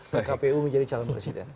ke kpu menjadi calon presiden